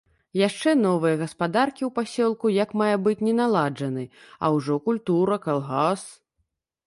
Яшчэ новыя гаспадаркі ў пасёлку як мае быць не наладжаны, а ўжо культура, калгас.